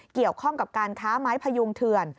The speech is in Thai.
เกี่ยวข้องกับการค้าไม้พยุงเถื่อน